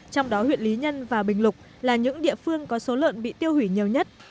trong đó huyện lý nhân và bình lục là những địa phương có số lợn bị tiêu hủy nhiều nhất